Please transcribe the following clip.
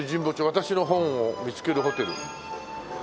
「“わたしの本”を見つけるホテル」